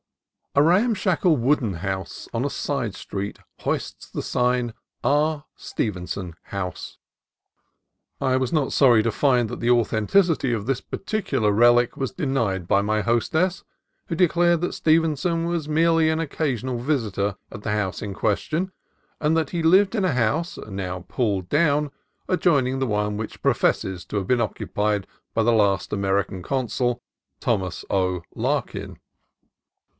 A ramshackle wooden house on a side street hoists the sign, "R. Stevenson House." I was not sorry to find that the authenticity of this particular relic was denied by my hostess, who declared that Steven son was merely an occasional visitor at the house in question, and that he lived in a house (now pulled down) adjoining the one which professes to have been occupied by the last American Consul, Thomas O. Larkin.